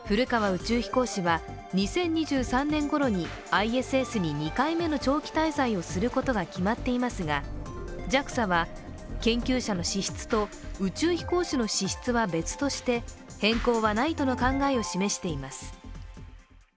宇宙飛行士は２０２３年ごろにＩＳＳに２回目の長期滞在をすることが決まっていますが、ＪＡＸＡは、研究者の資質と宇宙飛行士の資質は別として変更はないとの考えを示しています。